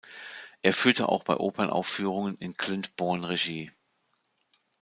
Er führte auch bei Opernaufführungen in Glyndebourne Regie.